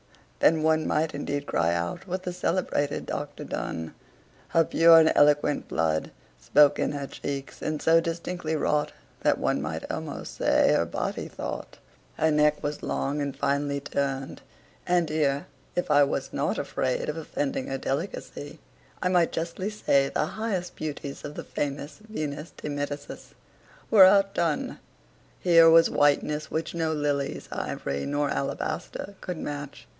Then one might indeed cry out with the celebrated Dr Donne: Her pure and eloquent blood Spoke in her cheeks, and so distinctly wrought That one might almost say her body thought. Her neck was long and finely turned: and here, if I was not afraid of offending her delicacy, I might justly say, the highest beauties of the famous Venus de Medicis were outdone. Here was whiteness which no lilies, ivory, nor alabaster could match.